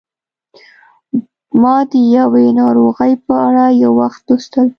ما د یوې ناروغۍ په اړه یو وخت لوستل